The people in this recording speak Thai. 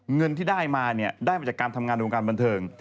เงินที่ได้มาเนี่ยได้มาจากการทำงานในวงการบันเทิง